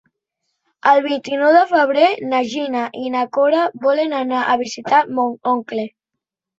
El vint-i-nou de febrer na Gina i na Cora volen anar a visitar mon oncle.